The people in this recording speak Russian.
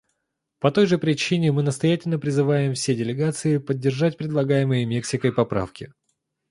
По той же причине мы настоятельно призываем все делегации поддержать предлагаемые Мексикой поправки.